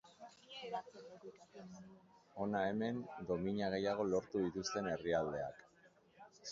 Hona hemen domina gehiago lortu dituzten herrialdeak.